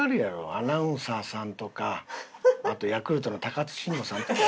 アナウンサーさんとかあとヤクルトの津臣吾さんとか。